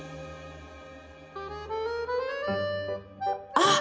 あっ！